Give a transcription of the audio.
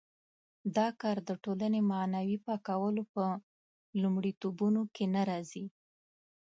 دا کار د ټولنې معنوي پاکولو په لومړیتوبونو کې نه راځي.